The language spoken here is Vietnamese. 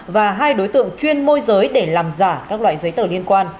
và hai đối tượng chuyên môi giới